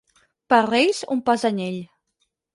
Per Reis, un pas d'anyell.